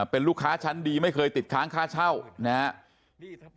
เป็นลูกค้าชั้นดีไม่เคยติดค้างค่าเช่านะครับ